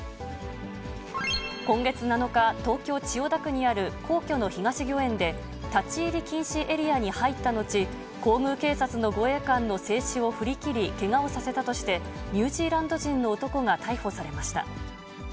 今月７日、東京・千代田区にある皇居の東御苑で立ち入り禁止エリアに入ったのち、皇宮警察の護衛官の制止を振り切り、けがをさせたとして、ニュージーランド人の男が逮捕されました。